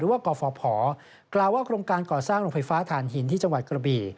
ว่ากฟภกล่าวว่าโครงการก่อสร้างโรงไฟฟ้าฐานหินที่จังหวัดกระบี่